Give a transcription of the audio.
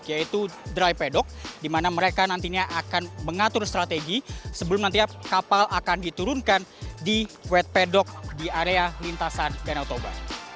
yaitu dry pedok di mana mereka nantinya akan mengatur strategi sebelum nantinya kapal akan diturunkan di wet pedok di area lintasan danau toba